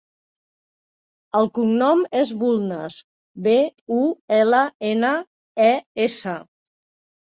El cognom és Bulnes: be, u, ela, ena, e, essa.